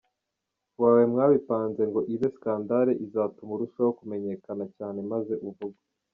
wawe mwabipanze ngo ibe scandal izatuma urushaho kumenyekana cyane maze uvugwe.